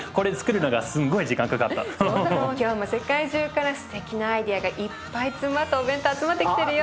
今日も世界中からすてきなアイデアがいっぱい詰まったお弁当集まってきてるよ。